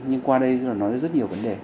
nhưng qua đây là nói rất nhiều vấn đề